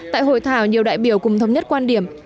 tại hội thảo nhiều đại biểu cùng thống nhất quan điểm